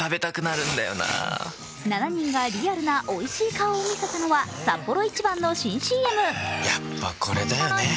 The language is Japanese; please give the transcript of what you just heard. ７人がリアルなおいしい顔を見えたのはサッポロ一番の新ＣＭ。